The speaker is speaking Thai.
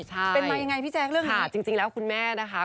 ใช่เป็นไงไงพี่เต๊กเรื่องนี้ค่ะจริงแล้วคุณแม่นะคะ